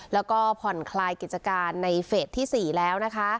แล้วก็ผ่อนคลายกิจการในเฟสที่๔แล้วนะคะ